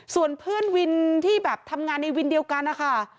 ส่วนเพื่อนวินที่แบบทำงานในวินเดียวกันนะคะ